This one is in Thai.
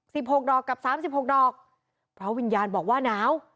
หกดอกกับสามสิบหกดอกเพราะวิญญาณบอกว่าหนาว